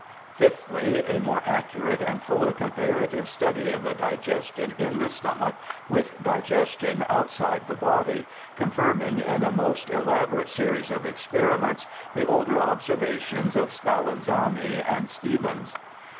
Fifthly, a more accurate and fuller comparative study of the digestion in the stomach with digestion outside the body, confirming in a most elaborate series of experiments the older obsen^ations of Spallanzani and Stevens.